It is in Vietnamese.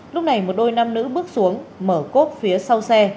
lúc này một đôi nam nữ bước xuống mở cốp phía sau xe